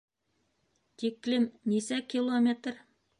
... тиклем нисә километр?